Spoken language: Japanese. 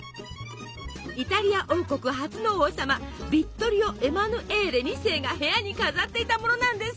イタリア王国初の王様ヴィットリオ・エマヌエーレ２世が部屋に飾っていたものなんですって。